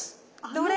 どれ？